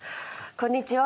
こんにちは。